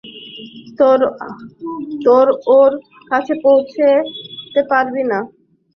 তোর ওর কাছে পৌঁছাতে পারবি না।